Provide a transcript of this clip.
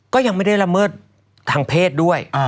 ก็ยังไม่ได้ละเมิดทางเพศด้วย